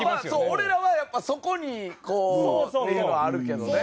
俺らはやっぱそこにこうっていうのはあるけどね。